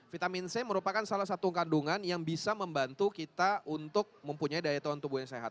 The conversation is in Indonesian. vitamin c merupakan salah satu kandungan yang bisa membantu kita untuk mempunyai daya tahan tubuh yang sehat